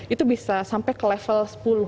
itu bisa sampai ke level sepuluh